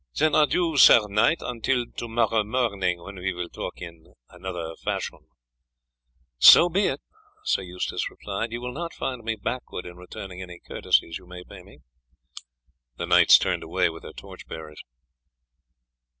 "Then adieu, Sir Knight, until to morrow morning, when we will talk in other fashion." "So be it," Sir Eustace replied, "you will not find me backward in returning any courtesies you may pay me." The knights turned away with their torch bearers.